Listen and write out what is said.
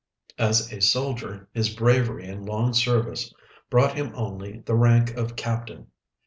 As a soldier, his bravery and long service brought him only the rank of Captain.